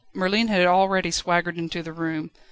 Merlin had already swaggered into the room.